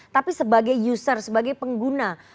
tapi sebagai user sebagai pengguna